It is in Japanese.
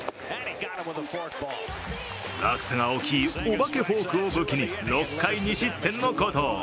落差が大きいお化けフォークを武器に、６回２失点の好投。